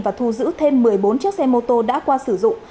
và thu giữ thêm một mươi bốn chiếc xe mô tô đã qua sử dụng